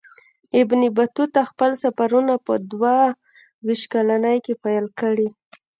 ابن بطوطه خپل سفرونه په دوه ویشت کلنۍ پیل کړي.